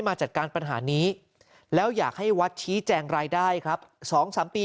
มาจัดการปัญหานี้แล้วอยากให้วัดชี้แจงรายได้ครับ๒๓ปี